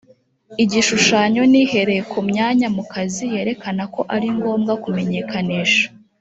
igishushanyo n ihereye ku myanya mu kazi yerekana ko ari ngombwa kumenyekanisha